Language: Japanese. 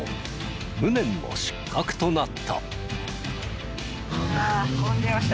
無念の失格となった。